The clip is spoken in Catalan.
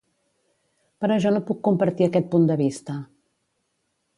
Però jo no puc compartir aquest punt de vista.